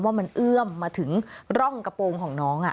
ว่ามันเอื้อมมาถึงร่องกระโปรงของน้อง